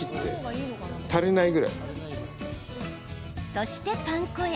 そしてパン粉へ。